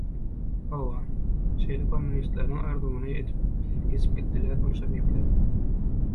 Hawa, şeýle kommunistleriň arzuwyny edip geçip gitdiler bolşewikler.